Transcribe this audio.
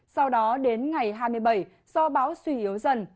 sau đó đến ngày hai mươi bảy do bão suy yếu dần